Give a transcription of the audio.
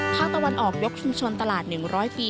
ภาคตะวันออกยกชุมชนตลาด๑๐๐ปี